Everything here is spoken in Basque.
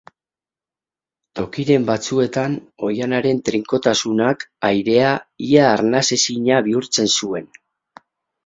Tokiren batzuetan, oihanaren trinkotasunak, airea, ia arnasezina bihurtzen zuen.